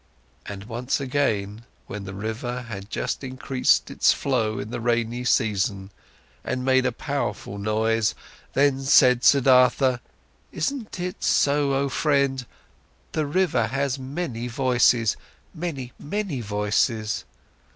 And once again, when the river had just increased its flow in the rainy season and made a powerful noise, then said Siddhartha: "Isn't it so, oh friend, the river has many voices, very many voices?